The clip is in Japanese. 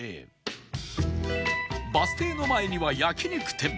バス停の前には焼肉店